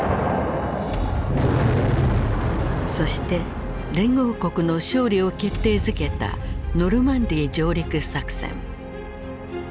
そして連合国の勝利を決定づけたノルマンディー上陸作戦。